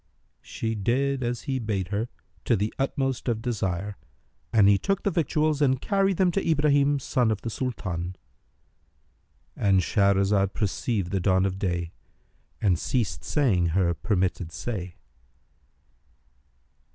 She did as he bade her, to the utmost of desire; and he took the victuals and carried them to Ibrahim son of the Sultan.—And Shahrazad perceived the dawn of day and ceased saying her permitted say.